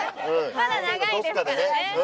まだ長いですからね